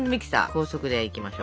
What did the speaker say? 高速でいきましょう。